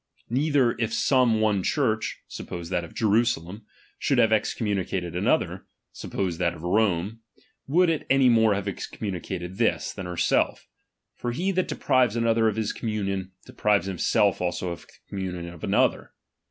Neither if some one Church (suppose '"' that of Jerusalem), should have excommunicated B», another, (suppose that of Rome), would it any more have excommunicated this, than herself: for he that deprives another of his communion, de prives himself also of the communion of that other.